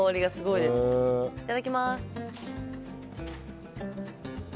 いただきます。